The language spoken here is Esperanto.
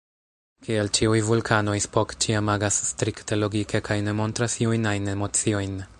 Kiel ĉiuj vulkanoj, Spock ĉiam agas strikte logike kaj ne montras iujn ajn emociojn.